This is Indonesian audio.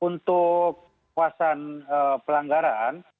untuk kuasan pelanggaran